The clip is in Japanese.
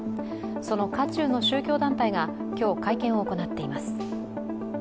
その渦中の宗教団体が今日、会見を行っています。